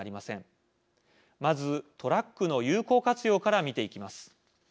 まずトラックの有効活用から見ていきます。